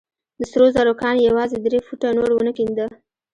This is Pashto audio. د سرو زرو کان يې يوازې درې فوټه نور ونه کينده.